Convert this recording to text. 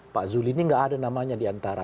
pak zul ini gak ada namanya diantara